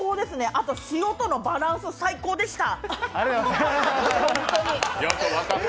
あと塩とのバランス、最高でした！